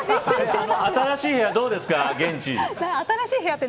新しい部屋はどうですか現地。